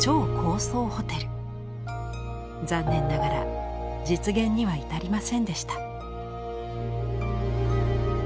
残念ながら実現には至りませんでした。